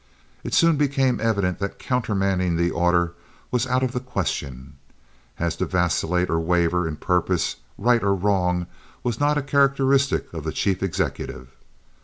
It soon became evident that countermanding the order was out of the question, as to vacillate or waver in a purpose, right or wrong, was not a characteristic of the chief executive.